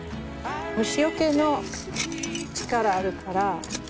虫よけの力あるから。